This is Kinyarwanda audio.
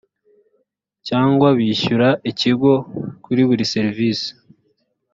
cyangwa bishyura ikigo kuri buri serivisi